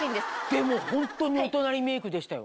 でもホントにオトナリメイクでしたよ。